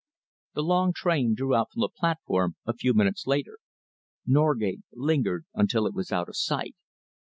The long train drew out from the platform a few minutes later. Norgate lingered until it was out of sight.